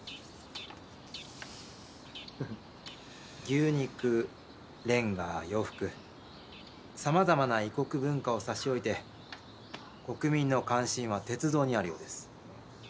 牛肉レンガ洋服さまざまな異国文化を差し置いて国民の関心は鉄道にあるようです。